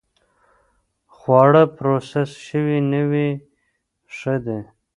خواړه پروسس شوي نه وي، ښه دي.